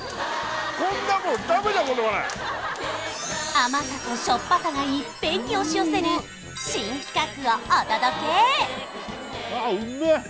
甘さと塩っぱさがいっぺんに押し寄せる新企画をお届け